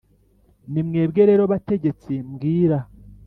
Ni mwebwe rero, bategetsi, mbwira,